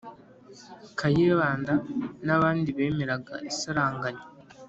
kayibanda n' abandi bemeraga isaranganya